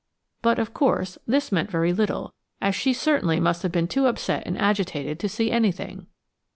But, of course, this meant very little, as she certainly must have been too upset and agitated to see anything.